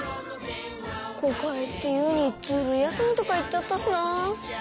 ごかいしてユウに「ズルやすみ」とかいっちゃったしなあ。